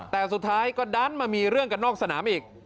แต่สุดท้ายก็ดันมามีเรื่องกันนอกสนามอีก